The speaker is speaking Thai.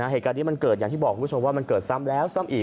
เหตุการณ์นี้มันเกิดอย่างที่บอกคุณผู้ชมว่ามันเกิดซ้ำแล้วซ้ำอีก